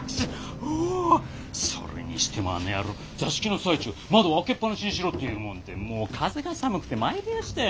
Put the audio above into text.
それにしてもあの野郎座敷の最中窓を開けっぱなしにしろって言うもんでもう風が寒くてまいりやしたよ。